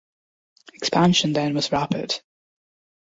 Expansion then was rapid.